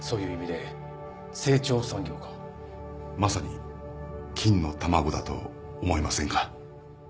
まさに金の卵だと思いませんか？